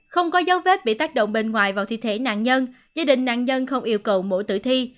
không có dấu vết bị tác động bên ngoài vào thi thể nạn nhân gia đình nạn nhân không yêu cầu mổ tử thi